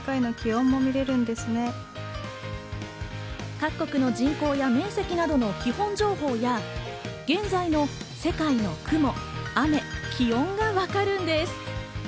各国の人口や面積などの基本情報や、現在の世界の雲、雨、気温がわかるんです。